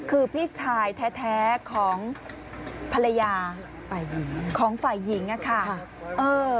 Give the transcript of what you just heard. คือพี่ชายแท้ของภรรยาฝ่ายหญิงของฝ่ายหญิงอะค่ะเออ